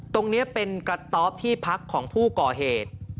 ตรงนี้เป็นกระต๊อบที่พักของผู้ก่อเหตุ